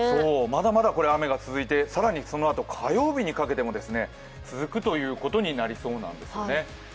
まだまだ雨が続いて、更にこのあと、火曜日にかけても続くということになりそうなんですよね。